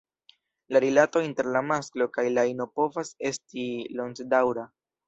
La rilato inter la masklo kaj la ino povas estis longdaŭra.